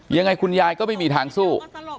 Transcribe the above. ยังไงคุณยายก็ไม่มีทางสู้